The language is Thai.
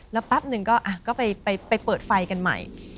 แล้วแป๊บหนึ่งก็ไปเปิดไฟกันใหม่